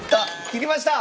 いきました。